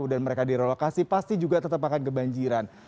dan mereka direlokasi pasti juga tetap akan kebanjiran